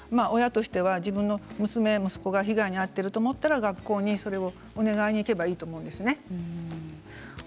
それを親としては自分の娘、息子が被害に遭っていると思ったら学校にお願いに行けばいいと思うんですね。